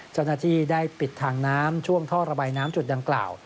เจ้าหน้าที่ได้ปิดทางน้ำท่วมท่อระบายน้ำจุดดังกล่าว